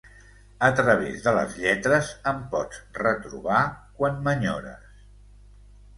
A través de les lletres em pots retrobar quan m'enyores...